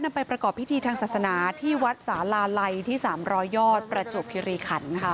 ไปประกอบพิธีทางศาสนาที่วัดสาลาลัยที่๓๐๐ยอดประจวบคิริขันค่ะ